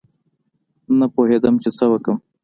نه پوهېدم چې څه وکړم.